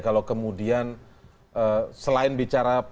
kalau kemudian selain bicara